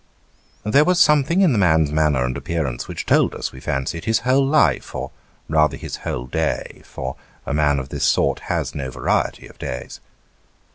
There was something in the man's manner and appearance which told us, we fancied, his whole life, or rather his whole day, for a man of this sort has no variety of days.